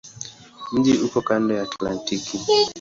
Mji uko kando la Atlantiki.